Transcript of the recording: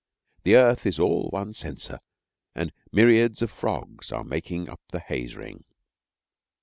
The earth is all one censer, and myriads of frogs are making the haze ring.